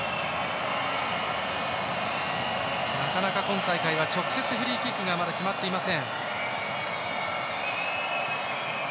なかなか、今大会は直接、フリーキックがまだ決まっていません。